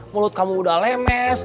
mulut kamu udah lemes